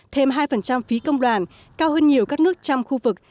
thêm hai phí công đoàn cao hơn nhiều các nước trong khu vực